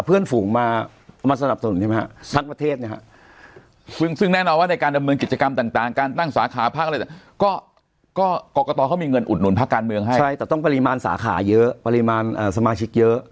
ปริมาณสาขาเยอะปริมาณสมาชิกเยอะ